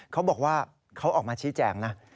เขาบอกว่าเขาออกมาชี้แจงนะ